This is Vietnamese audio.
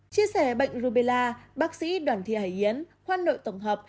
chia sẻ bệnh rubella bác sĩ đoàn thi hải yến khoan nội tổng hợp